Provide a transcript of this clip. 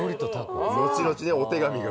後々ねお手紙が。